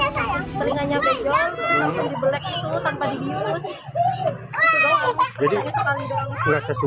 telinganya bejol tanpa dibelek itu tanpa di bius